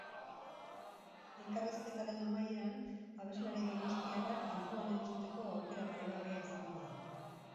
Elkarrizketaren amaieran, abeslari donostiarra kantuan entzuteko aukera paregabea izango da.